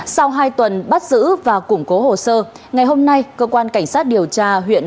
sau hai tuần bắt giữ và củng cố hồ sơ ngày hôm nay cơ quan cảnh sát điều tra huyện